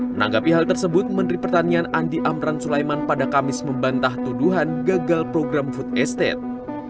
menanggapi hal tersebut menteri pertanian andi amran sulaiman pada kamis membantah tuduhan gagal program food estate